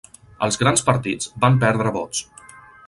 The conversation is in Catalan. Els grans partits van perdre vots.